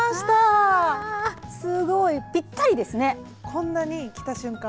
こんなに着た瞬間